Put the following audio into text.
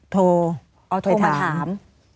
โทรมาถาม